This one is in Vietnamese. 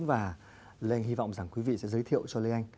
và anh hy vọng rằng quý vị sẽ giới thiệu cho lê anh